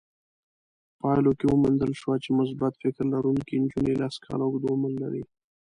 پايلو کې وموندل شوه چې مثبت فکر لرونکې نجونې لس کاله اوږد عمر لري.